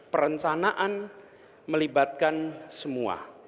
perencanaan melibatkan semua